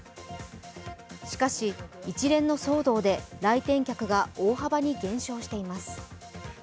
しかし、一連の騒動で来店客が大幅に減少しています。